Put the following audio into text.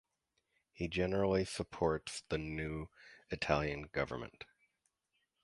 He generally supported the new Italian government.